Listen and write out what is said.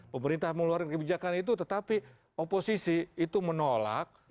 pemerintah mengeluarkan kebijakan itu tetapi oposisi itu menolak